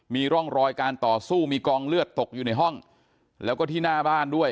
มีร่องรอยการต่อสู้มีกองเลือดตกอยู่ในห้องแล้วก็ที่หน้าบ้านด้วย